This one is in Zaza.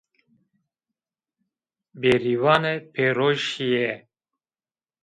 Bêrîvane peroj şîye